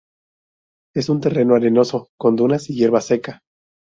Es un terreno arenoso con dunas y hierba seca.